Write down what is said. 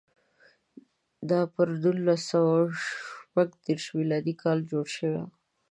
دا پر نولس سوه شپږ دېرش میلادي کال جوړه شوې وه.